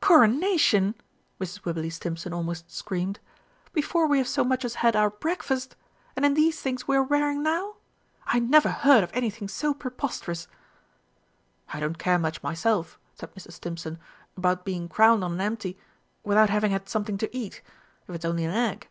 "Coronation!" Mrs. Wibberley Stimpson almost screamed. "Before we have so much as had our breakfast! And in these things we are wearing now! I never heard of anything so preposterous!" "I don't care much myself," said Mr. Stimpson, "about being crowned on an empty without having had something to eat if it's only an egg."